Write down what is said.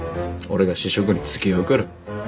俺が試食につきあうから。